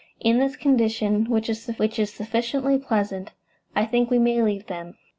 In this condition, which is sufficiently pleasant, I think we may leave them.